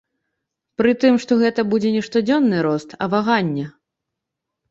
Пры тым, што гэта будзе не штодзённы рост, а ваганне.